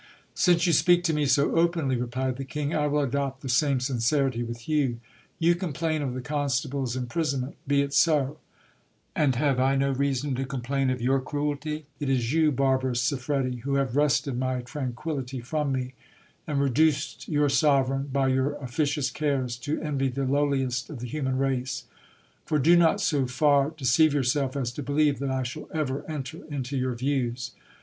Since you speak to me so openly, replied the king, I will adopt the same sincerity with you. You complain of the constable's imprisonment ! Be it so. And have I no reason to complain of your cruelty ? It is you, barbarous Siffredi, THE FA TAL MARRIA GE. 131 ■who have wrested my tranquillity from me, and reduced your sovereign, by your officious cares, to envy the lowliest of the human race. For do not so far deceive yourself as to believe that I shall ever enter into your views.